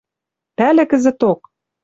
Пӓлӹ кӹзӹток;